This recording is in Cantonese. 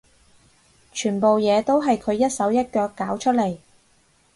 全部嘢都係佢一手一腳搞出嚟